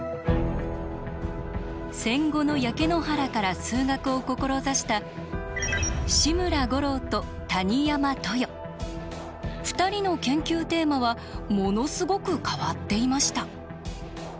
戦後の焼け野原から数学を志した２人の研究テーマはものすごく変わっていました。